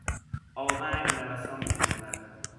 آونگ نوسان میکند.